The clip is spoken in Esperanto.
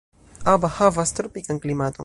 Aba havas tropikan klimaton.